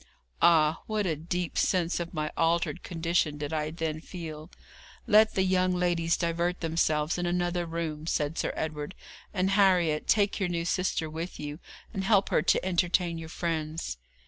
Ah! what a deep sense of my altered condition did I then feel! 'Let the young ladies divert themselves in another room,' said Sir Edward; 'and Harriet, take your new sister with you, and help her to entertain your friends.'